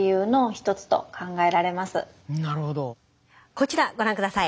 こちらご覧下さい。